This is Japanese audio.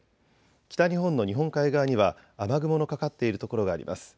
北日本の日本海側には雨雲のかかっている所があります。